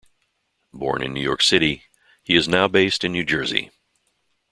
Born in New York City, he is now based in New Jersey.